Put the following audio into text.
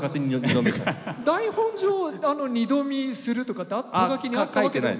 台本上「二度見する」とかト書きにあったわけでは？